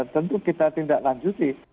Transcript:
tentu kita tidak lanjuti